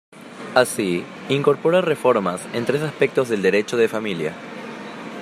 Así, incorpora reformas en tres aspectos del Derecho de Familia.